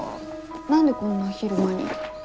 何でこんな昼間に。